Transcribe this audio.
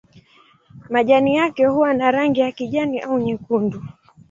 Majani yake huwa na rangi ya kijani au nyekundu.